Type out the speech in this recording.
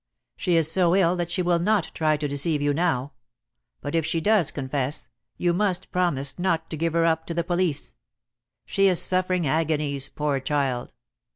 She is so ill that she will not try to deceive you now. But if she does confess, you must promise not to give her up to the police. She is suffering agonies, poor child!"